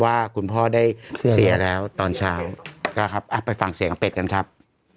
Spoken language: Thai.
ว่าคุณพ่อได้เสียแล้วตอนเช้าไปฟังเสียงอักเป็ดกันครับ